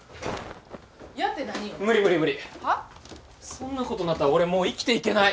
そんなことになったら俺もう生きていけない。